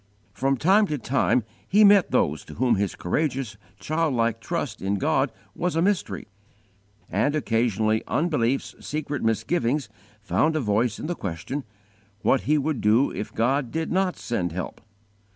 From time to time he met those to whom his courageous, childlike trust in God was a mystery; and occasionally unbelief's secret misgivings found a voice in the question, _what he would do if God did not send help!